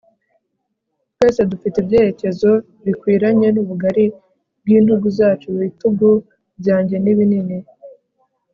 twese dufite ibyerekezo bikwiranye n'ubugari bw'intugu zacu. ibitugu byanjye ni binini